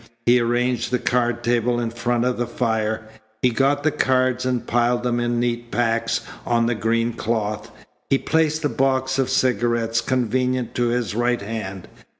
He arranged the card table in front of the fire. He got the cards and piled them in neat packs on the green cloth. He placed a box of cigarettes convenient to his right hand.